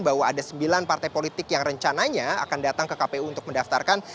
bahwa ada sembilan partai politik yang rencananya akan datang ke kpu untuk mendaftarkan